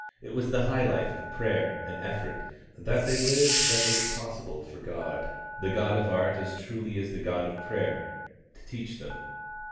It was the high life of prayer and effort that they lived that made it possible for God the God of art as truly as the God of prayer to teach them.